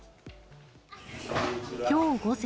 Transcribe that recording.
きょう午前、